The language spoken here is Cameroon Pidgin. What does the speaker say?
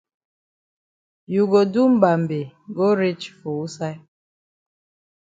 You go do mbambe go reach for wusaid?